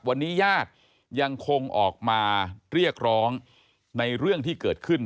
วันนี้ญาติยังคงออกมาเรียกร้องในเรื่องที่เกิดขึ้น